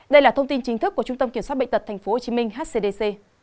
đây là thông tin chính thức của trung tâm kiểm soát bệnh tật tp hcm hcdc